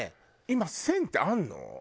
今１０００ってあるの？